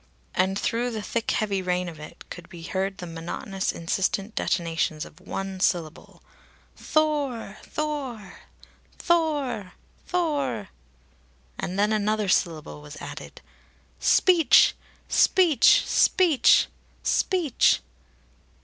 And through the thick heavy rain of it could be heard the monotonous insistent detonations of one syllable: "'Thor! 'Thor! 'Thor! Thor! Thor!" And then another syllable was added: "Speech! Speech! Speech! Speech!"